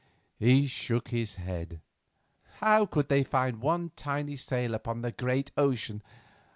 He shook his head. "How could they find one tiny sail upon the great ocean?